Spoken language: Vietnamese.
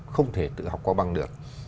không thể tự học qua băng được